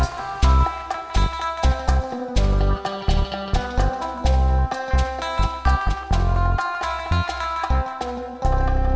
sudahugghhh make him miss you